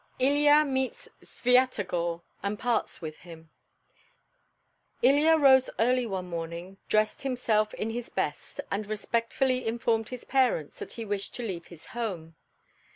ILYA MEETS SVYATOGOR AND PARTS WITH HIM Ilya rose early one morning, dressed himself in his best, and respectfully informed his parents that he wished to leave his home.